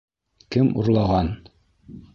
Кем урлаған?